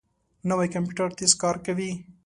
نوی کمپیوټر تېز کار کوي